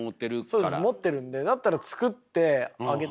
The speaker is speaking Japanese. そうです持ってるんでだったらあっ手作りでね。